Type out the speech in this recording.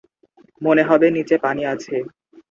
মনে হবে নিচে পানি আছে।